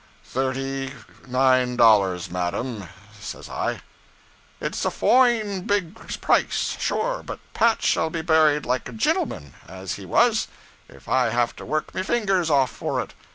'"Thirty nine dollars, madam," says I. '"It 's a foine big price, sure, but Pat shall be buried like a gintleman, as he was, if I have to work me fingers off for it.